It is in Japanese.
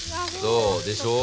そう。でしょう？